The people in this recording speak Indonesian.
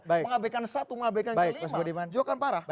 mengabaikan satu mengabaikan yang lima